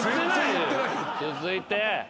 続いて。